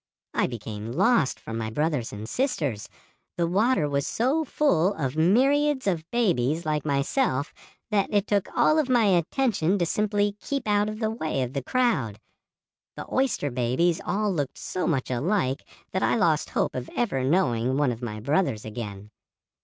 I became lost from my brothers and sisters. The water was so full of myriads of babies like myself that it took all of my attention to simply keep out of the way of the crowd. The oyster babies all looked so much alike that I lost hope of ever knowing one of my brothers again.